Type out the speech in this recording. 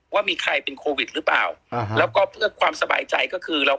ว่ามีใครเป็นโควิดหรือเปล่าอ่าแล้วก็เพื่อความสบายใจก็คือเรา